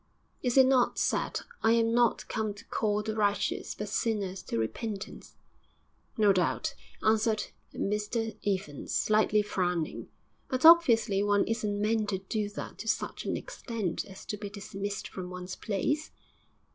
'Is it not said: "I am not come to call the righteous, but sinners to repentance"?' 'No doubt,' answered Mr Evans, slightly frowning. 'But obviously one isn't meant to do that to such an extent as to be dismissed from one's place.'